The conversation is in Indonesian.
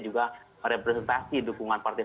juga representasi dukungan partai